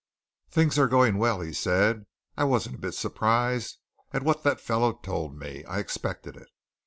"Things are going well!" he said. "I wasn't a bit surprised at what that fellow told me I expected it.